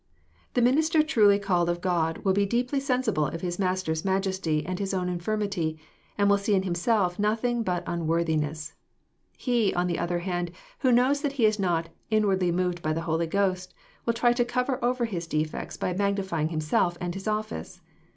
QThe minister truly called of God will be deeply sensible of his Master's majesty and his own infirmity, and will see in himself nothing but un worthiness. ] He, on the other hand, who knows that he is not " inwardly mov^ by^the Holy Ghost," will try to cover over his defects by magnifying himself and his office.